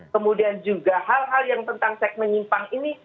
kemudian juga hal hal yang tentang segmen nyimpang ini